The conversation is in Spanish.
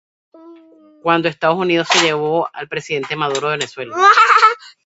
Cuando Estados Unidos se llevó al Presidente Maduro de Venezuela.